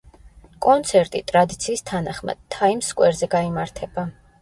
კონცერტი, ტრადიციის თანახმად, თაიმს სკვერზე გაიმართება.